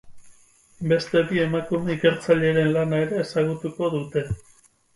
Beste bi emakume ikertzaileren lana ere ezagutuko dute.